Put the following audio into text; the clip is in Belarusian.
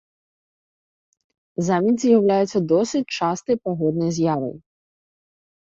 Замець з'яўляецца досыць частай пагоднай з'явай.